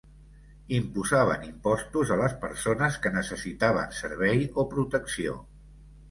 Imposaven impostos a les persones que necessitaven servei o protecció.